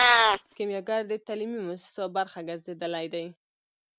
کیمیاګر د تعلیمي موسسو برخه ګرځیدلی دی.